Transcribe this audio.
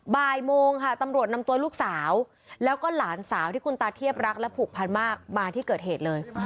บ่ายโมงค่ะตำรวจนำตัวลูกสาวแล้วก็หลานสาวที่คุณตาเทียบรักและผูกพันมากมาที่เกิดเหตุเลย